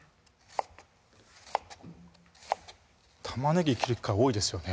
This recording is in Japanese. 玉ねぎ切る機会多いですよね